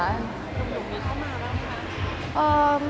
คุณอยู่มีเข้ามาบ้างไหมคะ